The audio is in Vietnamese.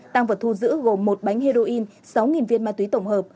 tăng vật thu giữ gồm một bánh heroin sáu viên ma túy tổng hợp